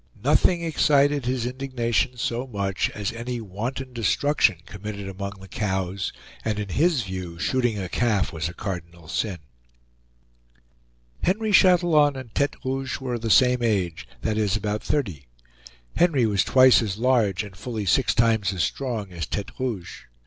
Nothing excited his indignation so much as any wanton destruction committed among the cows, and in his view shooting a calf was a cardinal sin. Henry Chatillon and Tete Rouge were of the same age; that is, about thirty. Henry was twice as large, and fully six times as strong as Tete Rouge.